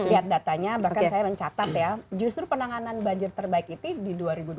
lihat datanya bahkan saya mencatat ya justru penanganan banjir terbaik itu di dua ribu dua puluh